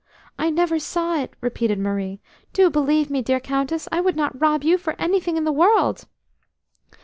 "I never saw it!" repeated Marie. "Do believe me, dear Countess! I would not rob you for anything in the world!"